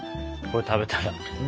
これ食べたら？